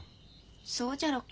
そうじゃろか。